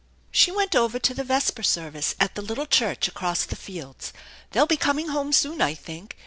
" She went over to the vesper service at the little church across the fields. They'll be coming home soon, I think.